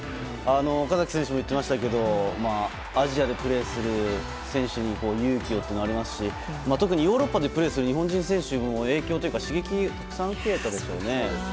岡崎選手も言ってましたけどアジアでプレーする選手に勇気をというのもありますし特にヨーロッパでプレーする日本人選手に影響というか刺激にもなったでしょうね。